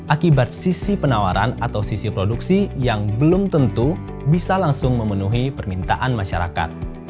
akibat sisi penawaran atau sisi produksi yang belum tentu bisa langsung memenuhi permintaan masyarakat